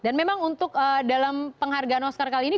dan memang untuk dalam penghargaan oscar kali ini